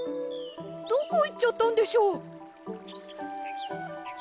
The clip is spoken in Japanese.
どこいっちゃったんでしょう？